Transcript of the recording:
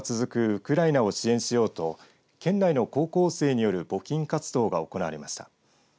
ウクライナを支援しようと県内の高校生による募金活動が行われました。